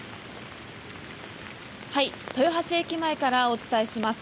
豊橋駅前からお伝えします。